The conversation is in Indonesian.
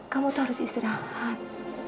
kamu harus istirahat